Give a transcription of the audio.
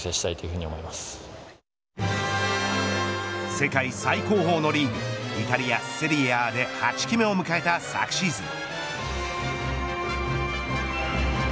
世界最高峰のリーグイタリアセリエＡで８季目を迎えた昨シーズン。